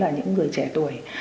những người trẻ tuổi